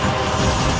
aku akan menang